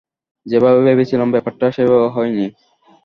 যেভাবে ভেবেছিলাম, ব্যাপারটা সেভাবে হয়নি।